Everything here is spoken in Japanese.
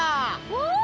お！